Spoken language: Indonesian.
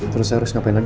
terus harus ngapain lagi